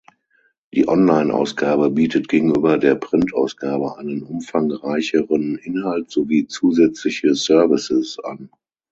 Die Onlineausgabe bietet gegenüber der Printausgabe einen umfangreicheren Inhalt sowie zusätzliche Services an.